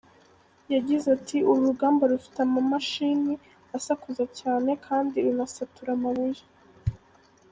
Yagize ati “uru ruganda rufite amamashini asakuza cyane kandi runasatura amabuye.